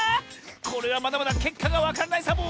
これはまだまだけっかがわからないサボ！